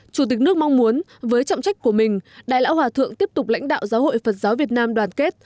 chủ tịch nước mong muốn với trọng trách của mình đại lão hòa thượng tiếp tục lãnh đạo giáo hội phật giáo việt nam đoàn kết